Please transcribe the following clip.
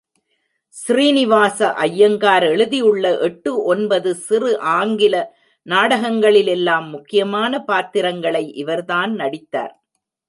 ஸ்ரீனிவாச ஐயங்கார் எழுதியுள்ள எட்டு ஒன்பது சிறு ஆங்கில நாடகங்களிலெல்லாம் முக்கியமான பாத்திரங்களை இவர்தான் நடித்தார்.